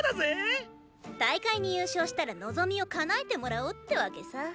大会に優勝したら望みを叶えて貰おうってわけさ。